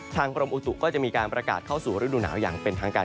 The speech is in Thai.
กรมอุตุก็จะมีการประกาศเข้าสู่ฤดูหนาวอย่างเป็นทางการ